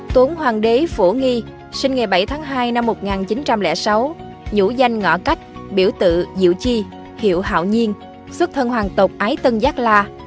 tốn hoàng đế phổ nghi sinh ngày bảy tháng hai năm một nghìn chín trăm linh sáu nhũ danh ngọ cách biểu tự diệu chi hiệu hạo nhiên xuất thân hoàng tộc ái tân giác la